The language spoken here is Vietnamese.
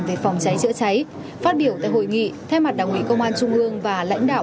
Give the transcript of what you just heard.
về phòng cháy chữa cháy phát biểu tại hội nghị thay mặt đảng ủy công an trung ương và lãnh đạo